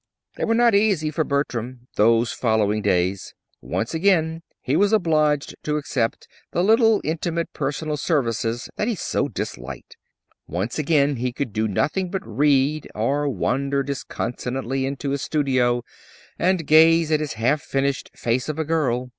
They were not easy for Bertram those following days. Once again he was obliged to accept the little intimate personal services that he so disliked. Once again he could do nothing but read, or wander disconsolately into his studio and gaze at his half finished "Face of a Girl."